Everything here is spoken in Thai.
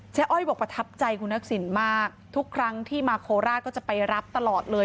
อ้อยบอกประทับใจคุณทักษิณมากทุกครั้งที่มาโคราชก็จะไปรับตลอดเลย